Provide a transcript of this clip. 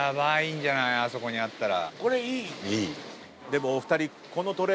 でもお二人。